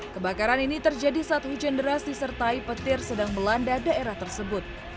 kebakaran ini terjadi saat hujan deras disertai petir sedang melanda daerah tersebut